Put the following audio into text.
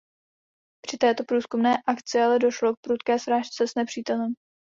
Při této průzkumné akci ale došlo k prudké srážce s nepřítelem.